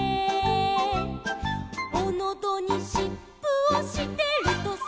「おのどにしっぷをしてるとさ」